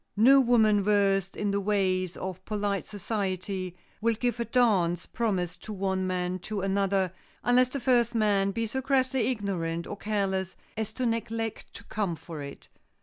No woman versed in the ways of polite society will give a dance promised to one man to another, unless the first man be so crassly ignorant or careless as to neglect to come for it.